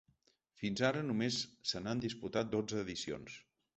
Fins ara només se n’han disputat dotze edicions.